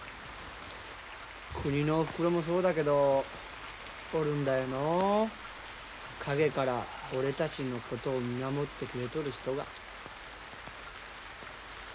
くにのおふくろもそうだけどおるんだよのう陰から俺たちのことを見守ってくれとる人が。